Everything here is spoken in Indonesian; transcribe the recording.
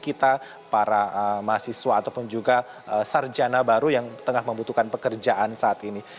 kita para mahasiswa ataupun juga sarjana baru yang tengah membutuhkan pekerjaan saat ini